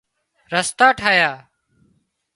رستا ٺاهيا